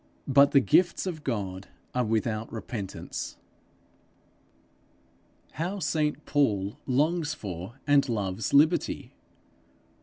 But the gifts of God are without repentance. How St Paul longs for and loves liberty!